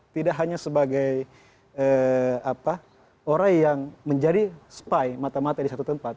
tidak hanya sebagai orang yang menjadi spi mata mata di satu tempat